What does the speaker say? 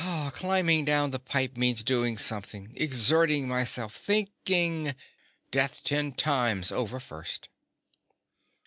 Climbing down the pipe means doing something—exerting myself—thinking! Death ten times over first.